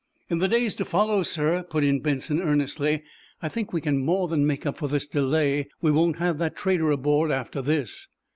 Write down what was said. "In the days to follow, sir," put in Benson, earnestly, "I think we can more than make up for this delay. We won't have the traitor aboard after this."